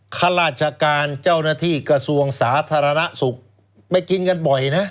ข้าราชการเจ้าหน้าที่กระทรวงสาธารณสุขไปกินกันบ่อยนะ